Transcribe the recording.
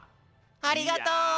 ありがとう！